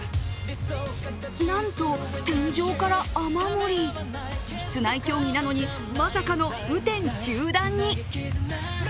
なんと、天井から雨漏り室内競技なのにまさかの雨天中断に。